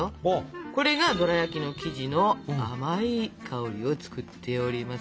これがドラやきの生地の甘い香りを作っております。